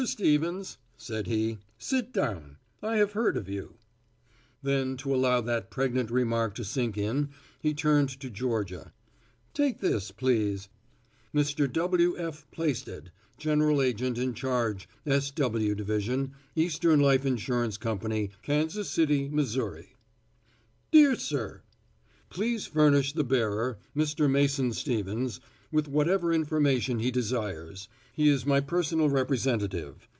Stevens," said he, "sit down. I have heard of you." Then to allow that pregnant remark to sink in he turned to Georgia. "Take this, please: 'Mr. W. F. Plaisted, General Agent in charge S. W. Division, Eastern Life Insurance Company, Kansas City, Mo. Dear Sir: Please furnish the bearer, Mr. Mason Stevens, with whatever information he desires. He is my personal representative.